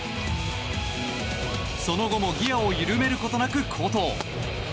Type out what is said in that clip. その後もギアを緩めることなく好投。